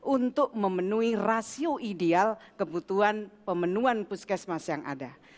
untuk memenuhi rasio ideal kebutuhan pemenuhan puskesmas yang ada